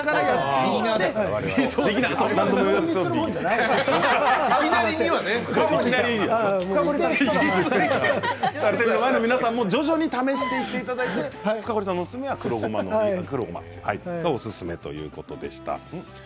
テレビの前の皆さんも徐々に試していっていただいて深堀さんのおすすめは黒ごまということでした。